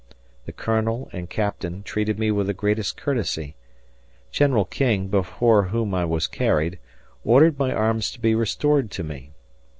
The Colonel and Captain treated me with the greatest courtesy. General King, before whom I was carried, ordered my arms to be restored to me.